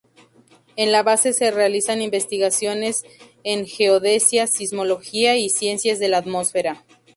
En la base se realizan investigaciones en geodesia, sismología y ciencias de la atmósfera.